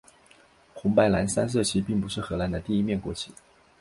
红白蓝三色旗并不是荷兰的第一面国旗。